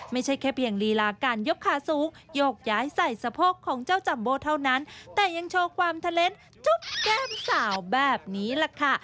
ไม่ใช่แค่เพียงลีลาการยกขาสูงโยกย้ายใส่สะโพกของเจ้าจัมโบเท่านั้นแต่ยังโชว์ความเทอร์เน้นจุ๊บแก้มสาวแบบนี้แหละค่ะ